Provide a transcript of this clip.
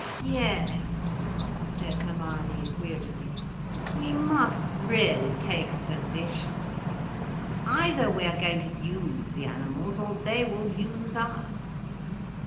"Yes," said Hermione, wearily, "we must really take a position. Either we are going to use the animals, or they will use us."